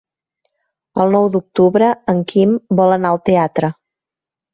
El nou d'octubre en Quim vol anar al teatre.